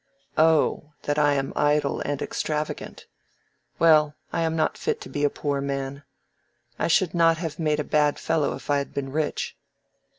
"Oh, that I am idle and extravagant. Well, I am not fit to be a poor man. I should not have made a bad fellow if I had been rich."